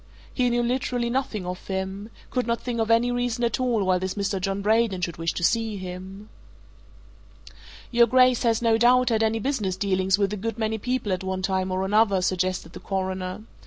He knew literally nothing of him could not think of any reason at all why this Mr. John Braden should wish to see him. "Your Grace has, no doubt, had business dealings with a good many people at one time or another," suggested the Coroner.